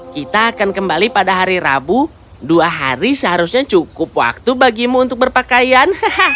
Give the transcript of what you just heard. kita akan kembali pada hari rabu dua hari seharusnya cukup waktu bagimu untuk berpakaian